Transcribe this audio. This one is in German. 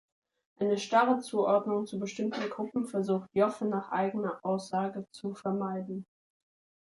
Eine starre Zuordnung zu bestimmten Gruppen versucht Joffe nach eigener Aussage zu vermeiden.